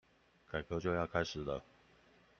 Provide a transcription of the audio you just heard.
改革就要開始了